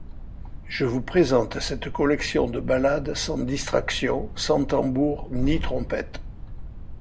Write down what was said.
Je vous présente cette collection de ballades sans distractions, sans tabours ni trompettes.